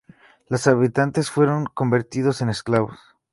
Los habitantes fueron convertidos en esclavos.